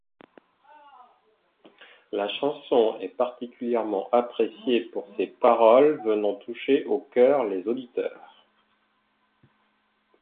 La chanson est particulièrement appréciée pour ses paroles venant toucher au cœur les auditeurs.